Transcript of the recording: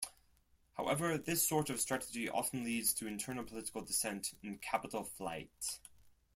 However, this sort of strategy often leads to internal political dissent and capital flight.